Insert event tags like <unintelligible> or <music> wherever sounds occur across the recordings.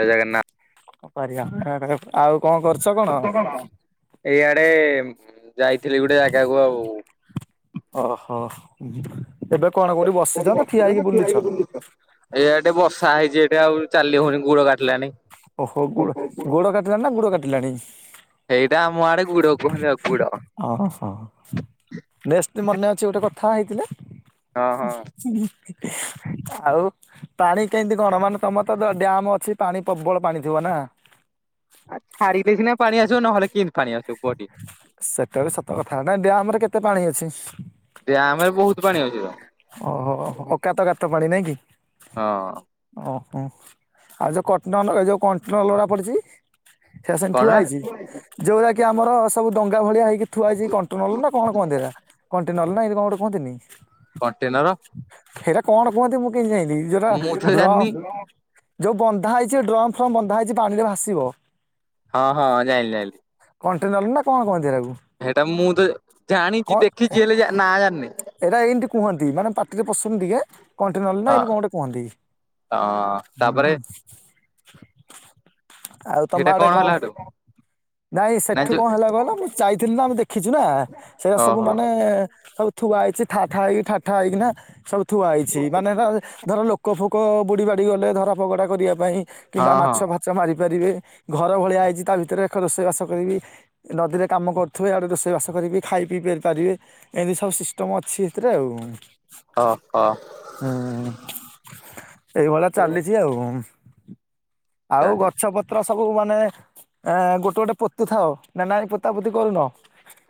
ଜୟ ଜଗନ୍ନାଥ। ଆଉ କଣ କରୁଛ କଣ? ଗୋଟେ ଯାଇଥିଲି ଗୋଟେ ଜାଗାକୁ ଆଉ। ଓହୋ ଏବେ। କଣ ଏ କୋଉଠି ବସିଛ ନା ଠିଆ ହେଇକି ଏଇଠେ ବୁଲୁଛ? ବର୍ଷା ହେଇଛି ଏଟେ ଆଉ ଚାଲି ହଉନି ଗୁଡ ଗାଡି ଓହୋ ଗୋ ଗୋଡ କାଟିଲାଣି ନା ଗୁଡ କାଟିଲାଣି? ସେଇଟା ଆମ ଆଡେ ଗୁଡ କୁହନ୍ତି ଆଉ ଗୁଡ ଓହୋ ନେଷ୍ଟେ ମନେ ଅଛି ଗୋଟେ କ ହେଇଥିଲେ। ହଁ ହଁ। ଆଉ ପାଣି କେମିତି କଣ ମାନେ ତମର ତ ଡ୍ୟାମ ଅଛି ପାଣି ପ୍ରବଳ ପାଣି ଥିବ ନା? ଆଉ ଛାଡିଲେ ସିନା ପାଣି ଆସିବ ନହେଲେ କି ସେଟା ବି ସତ କଥା ନା ଡ୍ୟାମରେ କେତେ ପାଣି ଅଛି? ଡ୍ୟାମରେ ବହୁତ ପାଣି ଅଛି ତ। ଓହୋ ଅକାତ ଗାତ ପାଣି ନାଇଁ କି ହଁ ଓ। ହଁ ଆଉ ଯେଉଁ କଟନ ଏ ଯେଉଁ କଣ୍ଟନର୍ ଲଗା ପଡ଼ିଛି? ସେ ସେନ କଣ ଥୁଆ ନା ହେଇଛି ଯୋଉରା କି ଆମର ସବୁ ଡଙ୍ଗା ଭଳିଆ ହେଇକି ଥୁଆଇଛି। କଣ୍ଟେନଲର ନା କଣ କୁହନ୍ତି ଏରା କଣ୍ଟେନର ନା ଏମିତି କଣ କୁହନ୍ତିନି। କଣ୍ଟେନର। ସେଇଟା କଣ କୁହନ୍ତି ମୁଁ କେମତି ଯାଇଁଥିଲି ମୁଁ ତ ଯୋଉଟା ଜାଣିନି ଯୋଉ ବନ୍ଧା ହେଇଛି ଡ୍ରମ ଫ୍ରମ ବନ୍ଧା ହେଇଛି ପାଣିରେ ଭାସିବ। ହଁ ହଁ ଯାଇଁଲି ଯାଇଁଲି। କଣ୍ଟନର ନା କଣ କହନ୍ତି ହେଟାକୁ? ସେଇଟା ମୁଁ ତ ଜାଣିଛି ଦେଖିଛି ହେଲେ ଯା ନା ଜାଣିନି। ଏଇଟା ଏମତି କୁହନ୍ତି ମାନେ ପାଟିରେ ପଶୁନି ଟିକେ। କଣ୍ଟିନଲ ନା ହଁ ଏଇନ୍ତି କ ଗୋଟେ କୁହନ୍ତି ହଁ ତାପରେ ହୁଁ। ଆଉ ତମ ସେଇଟା ଆଡେ ହେଲା କଣ? ହେଠୁ ନାଇଁ ନା ସେଠୁ ଯୋଉ କଣ ହେଲା କହିଲ ମୁଁ ଯାଇଥିଲି, ନା ଆମେ ଦେଖିଛୁ ନା। ସେଟା ସବୁ ଓହୋ ମାନେ ସବୁ ଥୁଆ ହେଇଛି ଠାଠା ହେଇକି ଠାଟା ହେଇକି ନା ସବୁ ଥୁଆ ହେଇଛି। ମାନେ ଧର ଲୋକ ଫୋକ ଲୋକ ବୁଡ଼ି ବାଡ଼ି ଗଲେ ଧରା ଫଗଡ଼ା କରିବା ପାଇଁ କିମ୍ବା ହଁ ହଁ ମାଛ ଫାଚ ମାରିପାରିବେ ଘର ଭଳିଆ ହେଇଛି ତା ଭିତରେ ଏକ ରୋଷେଇ ବାସ କରିବି ନଦୀରେ କାମ କରୁଥିବେ ଆଆଡେ ରୋଷେଇ ବାସ କରିବି ଖାଇ ପିଇ ପାରିବେ ଏମିତି ସବୁ ସିଷ୍ଟମ ଅଛି ସେଥିରେ ଆଉ। ଓ ହୋ। ହୁଁ ଏଇଭଳିଆ ଚାଲିଛି ଆଉ। ଆଉ ଚାଲି ଗଛ ପତ୍ର ସବୁ ମାନେ ଗୋଟେ ଗୋଟେ ପୋତୁ ଥାଉ ନା ନା ଏ ପୋତା ପୋତି କରୁନ।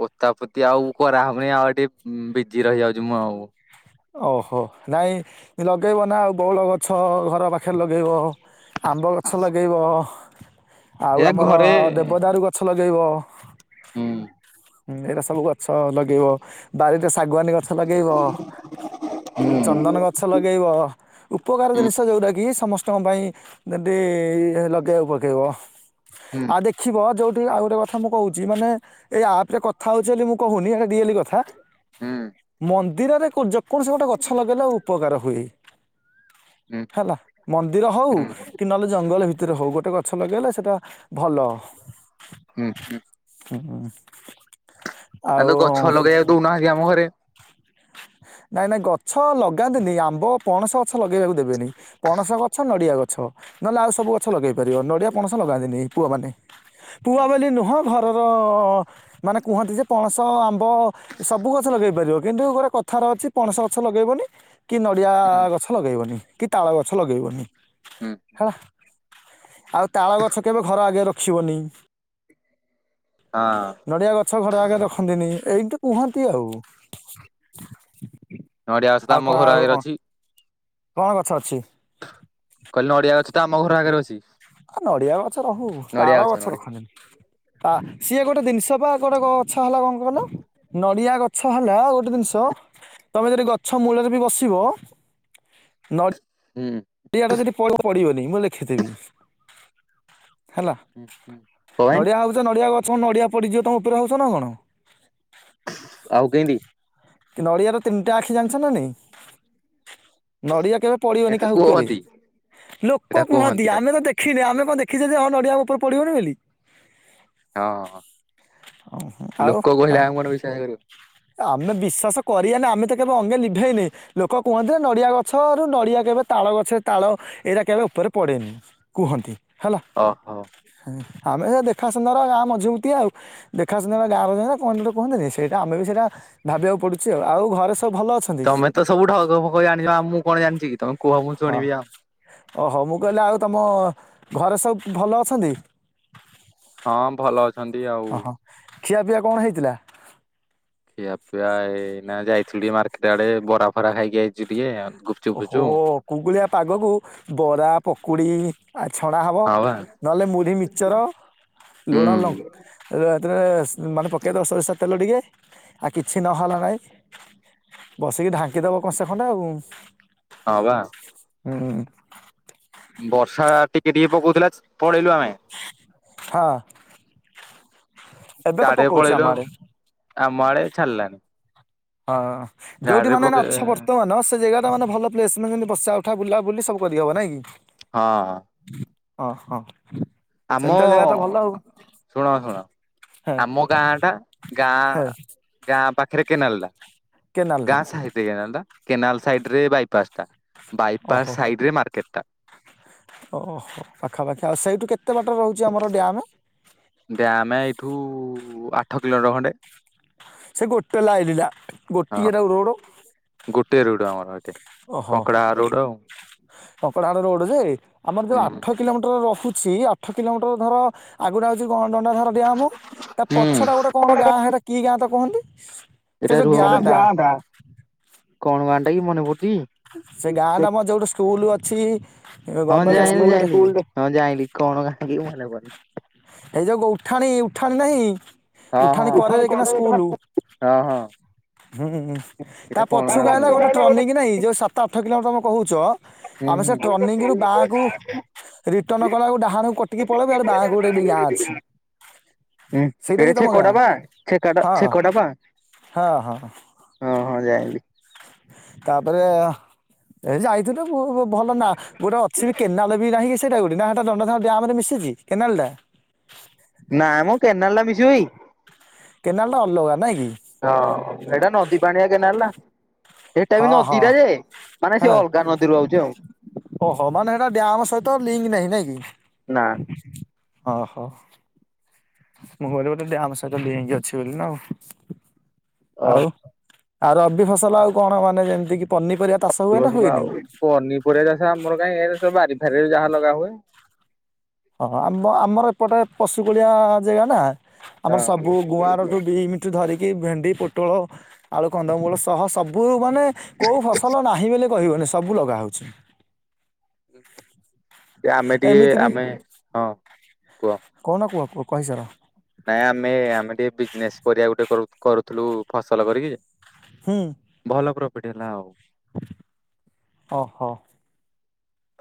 ପୋତା ପୋତି ଆଉ କରାହବନି, ଆଉ ଟିକେ ବିଜି ରହିଯାଉଛି ମୁଁ ଆଉ ଓହୋ ନାଇଁ ଲଗେଇବ ନା ଆଉ ବଉଳ ଗଛ ଘର ପାଖରେ ଲଗେଇବ ଆମ୍ବ ଗଛ ଲଗାଇବ। ଆଉ ଏହା ଆମର ଘରେ ଦେବଦ ରାରୁ ଗଛ ଲଗେଇବ ହୁଁ। ହୁଁ ଏଇଟା ସବୁ ଗଛ ଲଗେଇବ ବାରିରେ ଶାଗୁଆନୀ ଗଛ ଲଗେଇବ ହୁଁ ଚନ୍ଦନ ଗଛ ଲଗେଇବ, ଉପକାର ହୁଁ ଜିନିଷ ଯୋଉଟା କି ସମସ୍ତ ଙ୍କ ପାଇଁ ଲଗେଇବାକୁ ପକେଇବ ହୁଁ ଆଉ ଦେଖିବ ଯୋଉଠି ଆଉ ଗୋଟେ କଥା ମୁଁ କହୁଛି, ମାନେ ଏଇ ଆପ ରେ କଥା ହଉଛି ବୋଲି ମୁଁ କହୁନି କଥା। ହୁଁ। ମନ୍ଦିରରେ ଯେକୌଣସି ଗୋଟେ ଗଛ ଲଗେଇଲେ ଉପକାର ହୁଏ। ହୁଁ ହେଲା ମନ୍ଦିର ହୁଁ ହଉ କି ନହେଲେ ଜଙ୍ଗଲ ଭିତରେ ହଉ ଗୋଟେ ଗଛ ଲଗେଇଲେ ସେଟା ଭଲ ହୁଁ ହୁଁ ହୁଁ। ଆଉ ତ ଗଛ ଲଗେଇବାକୁ ଦଉନାହାନ୍ତି ଆମ ଘରେ କାଇଁ ଗଛ ଲଗାନ୍ତିନି ଆମ୍ବ ପଣସ ଗଛ ଲଗେଇବାକୁ ଦେବେନି ପଣସ ଗଛ ନଡିଆ ଗ ଛ ନହେଲେ ଆଉ ସବୁ ଗଛ ଲଗେଇ ପାରିବ, ନଡିଆ ପଣସ ଲଗାନ୍ତିନି ପୁଅ ମାନେ ପୁଆ ବୋଲି ନୁହଁ ଘରର ମାନେ କୁହନ୍ତି, ଯେ ପଣସ ଆମ୍ବ ସବୁ ଗଛ ଲଗେଇ ପାରିବ କି କିନ୍ତୁ ଗୋଟେ କଥାର ଅଛି ପଣସ ଗଛ ଲଗେଇବନି କି ନଡ଼ିଆ ହୁଁ ଗଛ ଲଗେଇବନି କି ତାଳ ଗଛ ଲଗେଇବନି ହଁ ହେଲା ଆଉ ତାଳ ଗଛ କେବେ ଘର ଆଗେ ରଖିବନି। ନଡିଆ ଗଛ ଘଡା ଆଗେ ରଖନ୍ତିନି ଏଇତି କୁହନ୍ତି ଆଉ। <inaudible> ନଡ଼ିଆ ଗଛ ତ ଆଉ ଆମ କଣ ଘର ଆଉ ଆଗରେ ଅଛି। କଣ ଗଛ ଅଛି? କହିଲି ନଡିଆ ଅଛ ତ ଆମ ଘର ଆଗରେ ଅଛି। ଆ ନଡିଆ ଗଛ ରହୁ ତାଳ ଗଛ ରଖନ୍ତିନି। ତା ସିଏ ଗୋଟେ ଜିନିଷ ବା ଗୋଟେ ଗଛ ହେଲା କଣ କହିଲ ନଡିଆ ଗଛ ହେଲା ଗୋ ଟେ, ଜିନିଷ ତମେ ଯଦି ଗଛ ମୂଳରେ ବି ବସିବ, ନଡ଼ିଆ ହୁଁ ଏଇଆଟା ଯଦି ପ ପଡିବନି ମୁଁ ଲେଖିଥେବି ହେଲା ହୁଁ କଣ ପାଇଁ ନଡିଆ ହଉଛ ନଡିଆ ଗଛଣ ନଡିଆ ପଡିଯିବ ତମ ଉପରେ ଭାବୁଛ, ନା କଣ? ଆଉ କେମିତି କି ନଡ଼ିଆର ତିନିଟା ଆଖି ଜାଣିଛ ନା ନାଇ। ନଡିଆ କେବେ ପଡିବନି ଏଟା କାହା ଉପରେ କୁହନ୍ତି ଏଟା ଲୋକ କୁହନ୍ତି, ଖାଲି ଆମେ ତ ଦେଖିନେ ଆମେ ଆପଣ ଦେଖିେ ଯେ ହଁ ନଡ଼ିଆ ଉପରେ ପଡ଼ିବନି ବୋଲି ହଁ ଲୋକ ଆଉ କହିଲେ ଆମ କଣ ବିଶ୍ୱାସ କରିବ ଆମେ ବିଶ୍ଵାସ କରିଆନି ଆମେ ତ କେବେ ଅଙ୍ଗେ ନିଭେଇନେ ଲୋକ କୁହନ୍ତି, ନଡିଆ ଗଛରୁ ନଡିଆ କେବେ ତା ଳ ଗଛରେ ତାଳ ଏଇଟା କେବେ ଉପରେ ପଡ଼େନି କୁହନ୍ତି ହେଲା ଓହୋ। ହଁ। ଆମେ ସେ ଦେଖା ସୁନ୍ଦର ଗାଁ ମଜଭୁତି ଆଉ ଦେଖା ସୁନ୍ଦର ଗାଁର ଜ କଣ ଗୋଟେ କୁହନ୍ତିନି ସେଇଟା ଆମେ ସେଟା ଭାବିବାକୁ ପଡୁଛି ଆଉ ଆଉ ଘରେ ସ ତମେ ତ ସବୁ ଢଗ କହି ଜାଣିଛ, ଆ ମୁଁ କଣ ଜାଣିଛି କି ତମେ କୁହ ମୁ ହଁ ଶୁଣିବି ଆଉ ଓହୋ ମୁଁ କହିଲି ଆଉ ତମ ଘରେ ସବୁ ଭଲ ଅଛନ୍ତି। ହଁ, ଭଲ ଅଛନ୍ତି ଆଉ। ଓହୋ ଖିଆପିଆ କଣ ହେଇଥିଲା? ଖିଆ ପିଆ ଏଇନା ଯାଇଥିଲୁ ଟିକେ ମାର୍କେଟ ଆଡେ ବରା ଫରା ଖାଇକି ଯାଇଛୁ ଟିକେ ଆ। ଓହୋ କୁଗୁଳିଆ ପାଗକୁ ବରା ପକୁଡି ଆ ଛଣା ହେବ ହଁ ବା ନହେଲେ ମୁଢ଼ି ମିିକଚର ହୁଁ ଲୁଣ ଲ ରେ ସ୍ ମାନେ ପକେଇଦେବ ସୋରିଷ ତେଲ ଟିକେ। ଆଉ କିଛି ନହେଲା ନାଇଁ ବସିକି ଢାଙ୍କିଦବ କଂସେ ଖଣ୍ଡେ ଆଉ। ହ ବା। ହୁଁ। ବର୍ଷା ଟିକେ ଟିକେ ପକଉଥିଲା ଚ୍ ପଳେଇଲୁ ଆମେ। ହଁ। ଏବେ ତ ଗାଡିରେ ପକଉଛି ପଳେଇଲୁ ଆମ ଆଉ ଆଡେ ଆମ ଆଡେ ଏ ଛାଡିଲାନି। ହଁ ଯୋଉଠି ଗାଡିରେ ମାନେ ପକେଇ ଅଛ ବର୍ତ୍ତମାନ ସେ ଜାଗା ତାମାନେ ଭଲ ପ୍ଲେସ ମାନେ ବସା ଉଠା ବୁଲା ବୁଲି ସବୁ କରି ହବ ନାଇଁ କି ହଁ। ଓହଁ। ଆମ ସେମିତି ଜାଗା ତ ଭଲ ଆଉ। ଶୁଣ ଶୁଣ ହେ ଆମ ଗାଁ ଟା ହେ ଗାଁ ଗାଁ ପାଖ ପାଖରେ କେନାଲଟା କେନାଲ ଟା ଗାଁ ସାଇଡ କେନାଲ ଟା କେନାଲ ସାଇଡ ରେ ବାଇପାସ୍ ଟା ବାଇପାସ୍ ଓହୋ ସାଇଡ ରେ ମାର୍କେଟ ଟା ଓହୋ ପାଖାପାଖି ଆଉ ସେଇଠୁ କେତେ ବାଟ ରହୁଛି ଆମର ଡ୍ୟାମ୍? ଡ୍ୟାମେ ଏଇଠୁ ଆଠ କିଲୋମିଟର ଖଣ୍ଡେ ସେ ଗୋଟେ ଲାଇଲିଲା ହଁ ଗୋଟିଏ ର ରୋଡ ଗୋଟେ ଆମର ଏଠି କଙ୍କଡାହାଡ଼ ରୋଡ୍ ଆଉ। କଙ୍କଡାହାଡ଼ ରୋଡ ଯେ ଆମର ଯୋଉ ଆଠ କିଲୋମିଟର ରହୁଛି ଆଠ କିଲୋମିଟର ଧର ଆଗୁଟା ହେଉଛି କଣ? ଦଣ୍ଡାଧାର ଡିଆମ ତା ହୁଁ ପଛଟା ଗୋଟେ କଣ ଗାଁ ହେଇଟା କି ଗାଁ ତ କୁହନ୍ତି। ସେ ଏଟା ଯୋଉ ରୁହ ଗାଁ ଟା କଣ କଣ ଟା କି ମନେ ପଡୁଛି ସେ ଗାଁ ଟା ଆମର ଯୋଉଠି ସ୍କୁଲ ଅଛି ହଁ ଗଭର୍ଣ୍ଣମେଣ୍ଟ ସ୍କୁଲଟେ ଯାଇଁଲି ହଁ ଜାଇଁଲି କଣ କାହିଁକ ଲାଇବନି। ହେଇ ଯଉ ଉଠାଣି ଉଠାଣି ନାହିଁ? ହଁ ହଁ ହଁ ହଁ ଉଠାଣି ଏଇଟା କରରେ କଣ କିନା ଗାଁ ମନେ ସ୍କୁଲ। ପଡୁନି। ହୁଁ ହୁଁ ତା ପଛୁକୁ ଆହଲା ଗୋଟେ ଟ୍ରନିକ କି ନାଇଁ ଯୋଉ ସାତ ଆଠ କିଲୋମିଟର ଚ ହୁଁ ଆମେ ହୁଁ ସେ ହୁଁ ଟ୍ରନିଂ ରୁ ବା କୁ ରିଟର୍ଣ କଲାକୁ ଡାହାଣକୁ କଟିକି ପଳେଇବେ ଆଉ ବା କୁ ଗୋଟେ ବି ଗାଁ ଅଛି। ସେଇଟା ହଁ କି ତମ ଛେକ ଗାଁ ଟା ବା ଛେକ ଟା ହଁ ଛେକ ଟା। ହଁ ହଁ। ହଁ ଯାଇଁଲି। ତାପରେ ଏ ଯାଇଥିଲୁ ଭଲ ନା ଗୋଟେ ଅଛି ବି କେନାଲ ବି ନାହିଁ କି ସେଇଟା କୋଉଠି ନା ହେଟା ଦଣ୍ଡାଧର ଡ୍ୟାରେ ମିଶିଛି କେନାଲଟା? ଜୁଇ କେନାଲ ଟା ଅଲଗା ନାଇଁ କି? ହଁ ଏଇଟା ନଦୀ ପାଣି ଏ କେନାଲଟା ହେଟା ବି ହଁ ହଁ ନଦୀଟା ଯେ ମାନେ ସେ ହେଁ ଅଲଗା ନଦୀରୁ ଆଉଛି ଆଉ। ଓହୋ ମାନେ ସେଟା ଡ୍ୟାମ ସହିତ ଲିଙ୍କ ନାହିଁ ନାଇଁ ନା କି? ଓ ହୋ। ମୁଁ କହିଲି ବୋଧେ ଡ୍ୟାମ ସହିତ ଲିଙ୍କ୍ ଅଛି ବୋଲିନା ଆଉ। ଆଉ ଆଉ ରବି ଫସଲ ଆଉ କଣ ମାନେ ଯେମିତି କି ପନିପରିବା ଚାଷ ହୁଏ ନା <unintelligible> ହୁଏନି? ଆଉ ପନିପରିବା ଚାଷ ଆମର କାହିଁ ଏରା ସବୁ ବାରି ରିରେ ଯାହା ଲଗା ହୁଏ। ହଁ ଆମ ଆମର ଏପଟେ ପଶୁକୁଳିଆ ଜେଗା ନା ଆମର ହଁ ସବୁ ଗୁଆଁରଠୁ ବିମ ଠୁ ଧରିକି କି ଭେଣ୍ଡି, ପୋଟଳ, ଆଳୁ, କନ୍ଦମୂଳ ସହ ସବୁ ମାନେ କୋଉ ଫସଲ ନାହିଁ ବୋଲି କହିବନି, ସବୁ ଲଗା ହଉଛି। ଆମେ ଟିକେ ଏମିତି ବି ଆମେ ହଁ କୁହ କଣ <unintelligible> କୁହ କୁହ କହିସାର ବିଜନେସ୍ ପରିବା ଗୋଟେ କରୁଥିଲୁ ଫସଲ କରିକି ହୁଁ ଭଲ ପ୍ରଫିଟ୍ ହେଲା ଆଉ ଓହୋ।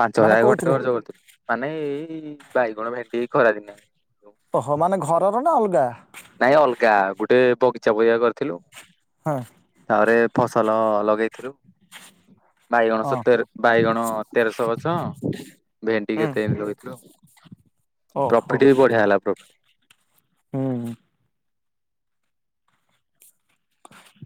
ପାଞ୍ଚ ମାନେ ହଜାର ଘଣ୍ଟେ କୋଉଥିରେ ଖର୍ଚ୍ଚ କରୁଥିଲୁ ମାନେ ଏଇ ବାଇଗଣ, ଭେଣ୍ଡି ଖରା ଦିନିଆ ଓହୋ, ମାନେ ଘରର ନା ଅଲଗା। ନାଇଁ ଅଲଗା ଗୋଟେ ବଗିଚା ବରିଆ କରିଥିଲୁ। ହଁ ଆହୁରେ ଫସଲ ଲଗେଇଥିଲୁ। ବାଇଗଣ ହଁ ସତେର, ବାଇଗଣ ତେରଶହ ଗଛ ଭେଣ୍ଡି ହୁଁ କେତେ ଏମିତି ଲଗେଇଥିଲୁ, ଓହୋ ପ୍ରଫିଟ ବି ବଢିଆ ହେଲା ପ୍ରଫିଟ ହୁଁ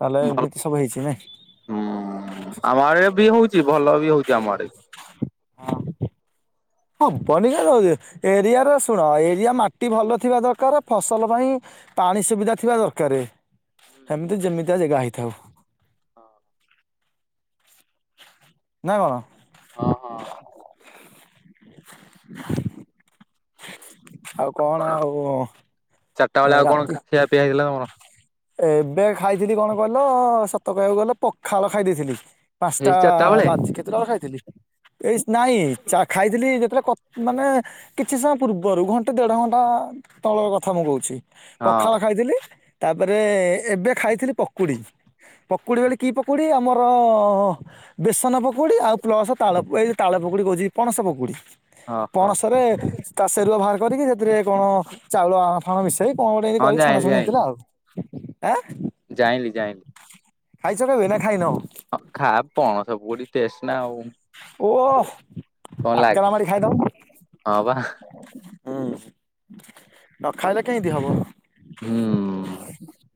ତାହେଲେ ଭଲ ଏମିତି ସବୁ ହେଇଛି ହୁଁ ନାଇଁ ଆମ ଆଡେ ବି ହଉଛି ଭଲ ବି ହଉଛି ଆମ ଆଡେ। ହଁ ହଁ ବନି ଏରିଆରେ ଶୁଣ ଏରିଆ ମାଟି ଭଲ ଥିବା ଦରକାର, ଫସଲ ପାଇଁ ପାଣି ସୁବିଧା ଥିବା ଦରକାର, ସେମିତି ଯେମିତିଆ ଜାଗା ହେଇଥାଉ। ହଁ <unintelligible> ନା କଣ? ହଁ ହଁ ଆଉ କଣ ଆଉ? ଚାରିଟା ଅ ବେଳେ ଆଉ କଣ ରାତି ଖିଆ ପିଆ ହେଇଥିଲା ତମର? ଏ ଏବେ ଖାଇଥିଲି କଣ କହିଲ, ସତ କହିବାକୁ ଗଲେ ପଖାଳ ଖାଇ ଦେଇେଇଥିଲି। ଏଇ ପାଞ୍ଚଟା ଚାରିଟା ବେଳେ ବାଜି କେତେଟା ଵେଳେ ଖାଇଥିଲି ଏଇ ନାଇଁ ଖାଇଥିଲି ଯେତେବେଳେ ମାନେ କିଛି ସମୟ ପୂର୍ବରୁ ଘଣ୍ଟେ ଦେଢ ଘଣ୍ଟା ତଳର କଥା, ମୁଁ କହୁଛି ହଁ ପଖାଳ ଖାଇଥିଲି, ତାପରେ ଏବେ ଖାଇଥିଲି ପକୁଡି ପକୁଡି, ବଳି କି ପକୁଡି ଆମର ବେସନ ପକୁଡି ଆଉ ପ୍ଲସ ତାଳ ଏ ତାଳ ପକୁଡି କହୁଛି ପଣସ ପକୁଡି। ହଁ ହଁ ପଣସରେ ତାସ ରଆ ବାହାର କରିକି ସେଥିରେ କଣ ଚାଉଳ ଆଣ ଫାଣ ମିଶ ସେଇ କଣ ଗୋଟେ ଏତି ହଁ କରି ଛଣାଛୁଣି ହେଇଥିଲା ଆଉ, ଆଁ ଯାଇଁଲିି ଯାଇଁଲିି ଖାଇଛ, କେିବ <unintelligible> ନା ଖାଇନ ହଁ ଖା ପଣସ ପକୁଡି ଟେଷ୍ଟ ନା ଆଉ ଓ କଣ ଆକାଲ ଲାଗେ ଆମରି <unintelligible> ଖାଇଥାଉ ହଁ ବା ହୁଁ, ନ ଖାଇଲେ କେମିତି ହବ? ହୁଁ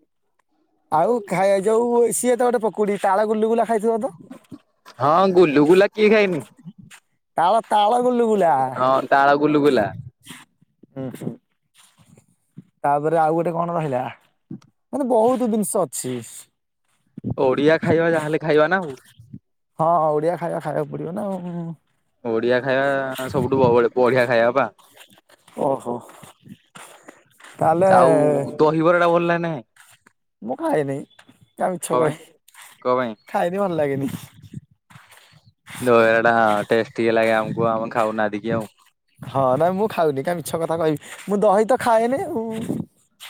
ଆଉ, ଖାଇ ଯୋଉ ସିଏ ତ ଗୋଟେ ପକୁଡି ତାଳ ଗୁଲୁଗୁଲା ଖାଇଥିବ ତ ହଁ ଗୁଲୁ ଗୁଲା କିଏ ଖାଇନି। ତାଳ, ତାଳ ଗୁଲୁ ଗୁଲା ବୁଲୁଗୁଲା ହଁ ହଁ ତାପରେ ଆଉ ଗୋଟେ କଣ ରହିଲା ମାନେ ବହୁତ ଜିନିଷ ଅଛି। ଓଡିଆ ଖାଇବା ଯାହାହେଲେ ଖାଇବା ନା ଆଉ ହଁ ଓଡିଆ ଖାଇବା ଖାଇବାକୁ ପଡିବ ନା। ବଢିଆ ଖାଇବା ସବୁଠୁ ବଢିଆ ଖାଇବା ପା ଓହୋ ତାହେଲେ ଆଉ ଦହିବରା ଟା ଭଲ ଲ ନ ମୁଁ ଖାଏନି, କାମ ମିଛ କ, ପାଇଁ କଣ ପାଇଁ ଖାଏନି ଭଲ ଲାଗେନି। ଦହରା ଟା ହ ଟେ ଲାଗେ ଆମକୁ ଆମେ ଖାଉନାହାନ୍ତି କି ଆଉ ଖରା ମୁଁ ଖାଉନି କାଇଁ ମିଛ କଥା କହିବି ମୁଁ ଦହି ତ ଖାଏନି ଉଁ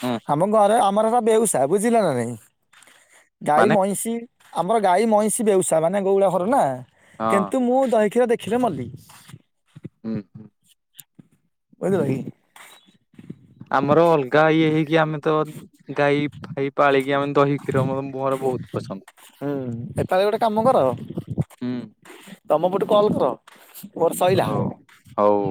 ହୁଁ ଆମ ଘରେ ଆମର ଏରା ବେଉସା ବୁଝିଲ ନା ନାଇଁ ଗାଈ ମାନେ ମଇଁଷି। ଆମର ଗାଈ ମଇଁଷି ବେଉସା ମାନେ ଗୋଉଡ ଘର ନା ହଁ କିନ୍ତୁ ମୁଁ ଦହି କ୍ଷୀର ଦେଖି ଖିଲେ ମଲି। ଉହୁଁ। ବୁଝିଲ କି। ଆମର ଅଲଗା ଇଏ ହେଇକି ଆମେ ତ ଗାଈ ଫାଇ ପାଳିକି ଆମେ ଦହି କ୍ଷୀର ମୋ ମୋର ବୋହୁତ ପସନ୍ଦ ହୁଁ ଏପାଳି ଗୋଟେ କାମ କର ହୁଁ ତମ ପଟୁ କଲ୍ କର। ମୋରୋ ସଇଲା। ହୋଉ।